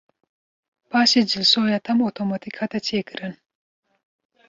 Paşê cilşoya tam otomatik hate çêkirin.